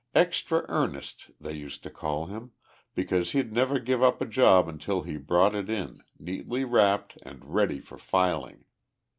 'Extra Ernest,' they used to call him, because he'd never give up a job until he brought it in, neatly wrapped and ready for filing.